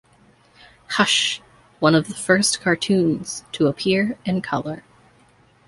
Hush, one of the first cartoons to appear in color.